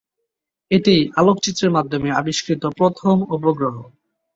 এটিই আলোকচিত্রের মাধ্যমে আবিষ্কৃত প্রথম উপগ্রহ।